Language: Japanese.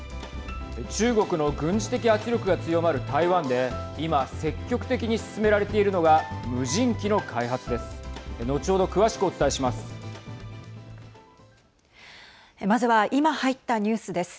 中国の軍事的圧力が強まる台湾で今、積極的に進められているのが無人機の開発です。